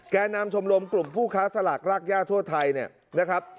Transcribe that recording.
นำชมรมกลุ่มผู้ค้าสลากรากย่าทั่วไทยเนี่ยนะครับ